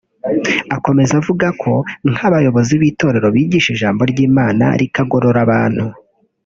Akomeza avuga ko nk’abayobozi b’itorero bigisha ijambo ry’Imana rikagorora abantu